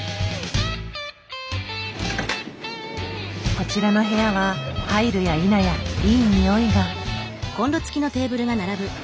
こちらの部屋は入るやいなやいいにおいが。